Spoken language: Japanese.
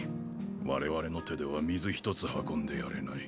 我々の手では水一つ運んでやれない。